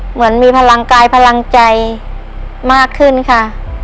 เหมือนมีพลังกายพลังใจมากขึ้นค่ะ